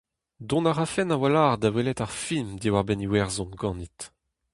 Dont a rafen a-walc'h da welet ar film diwar-benn Iwerzhon ganit.